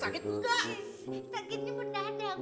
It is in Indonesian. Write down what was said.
tak tak gitu benar bang